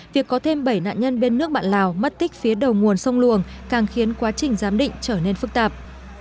việc có thêm bảy nạn nhân bên nước bạn lào mất tích phía đầu nguồn sông luồng càng khiến quá trình giám định trở nên phức tạp